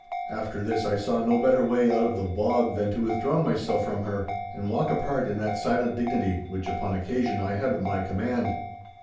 After this I saw no better way out of the bog than to withdraw myself from her, and walk apart in that silent dignity, which, upon occasion, I have at my command.